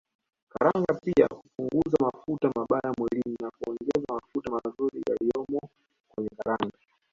Karanga pia hupunguza mafuta mabaya mwilini na kuongeza mafuta mazuri yaliyomo kwenye karanga